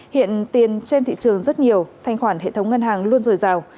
hiện tiền trên thị trường rất nhiều thanh khoản hệ thống ngân hàng luôn dồi dào